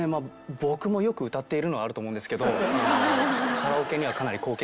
僕もよく歌っているのはあると思うんですけど。